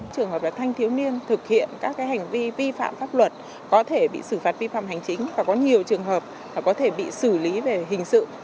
trường hợp là thanh thiếu niên thực hiện các hành vi vi phạm pháp luật có thể bị xử phạt vi phạm hành chính và có nhiều trường hợp có thể bị xử lý về hình sự